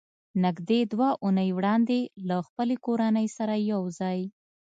نږدې دوه اوونۍ وړاندې له خپلې کورنۍ سره یو ځای